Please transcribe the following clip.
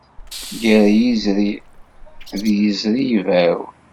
Gar yizri, d yizri ibaw.